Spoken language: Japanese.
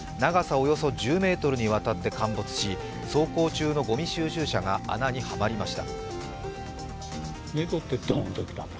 およそ１０ｍにわたって陥没し走行中のごみ収集車が穴にはまりました。